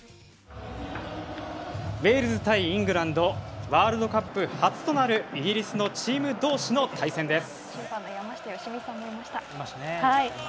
ウェールズ対イングランドワールドカップ初となるイギリスのチーム同士の対戦です。